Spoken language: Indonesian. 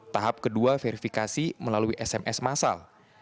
tahap kedua verifikasi melalui sms masal